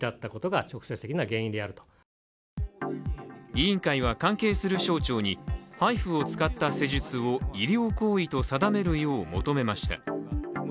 委員会は関係する省庁にＨＩＦＵを使った施術を医療行為と定めるよう求めました。